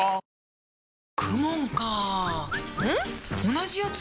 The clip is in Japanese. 同じやつ？